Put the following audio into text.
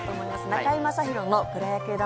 「中居正広のプロ野球魂」